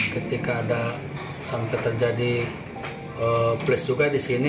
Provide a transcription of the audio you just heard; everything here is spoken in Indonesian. ketika ada sampai terjadi pelis juga disini